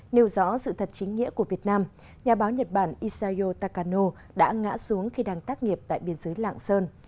nêu rõ sự thật chính nghĩa của việt nam nhà báo nhật bản isayo tacano đã ngã xuống khi đang tác nghiệp tại biên giới lạng sơn